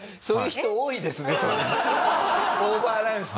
そういう人多いですね。